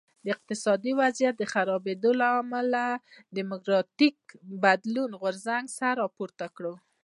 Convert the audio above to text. د اقتصادي وضعیت خرابېدو له امله د ډیموکراټیک بدلون غورځنګ سر راپورته کړ.